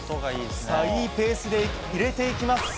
いいペースで入れていきます。